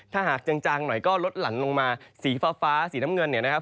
ถ้าหากจางหน่อยก็ลดหลั่นลงมาสีฟ้าสีน้ำเงินเนี่ยนะครับ